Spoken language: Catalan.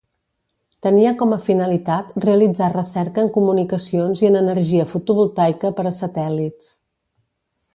Tenia com a finalitat realitzar recerca en comunicacions i en energia fotovoltaica per a satèl·lits.